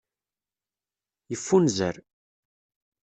Yeffunzer.